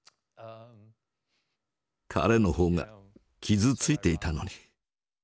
彼の方が傷ついていたのに。